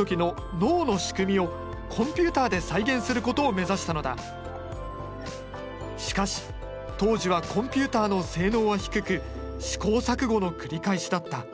まずその足掛かりとしてしかし当時はコンピューターの性能は低く試行錯誤の繰り返しだった。